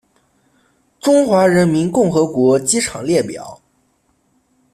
中华人民共和国机场列表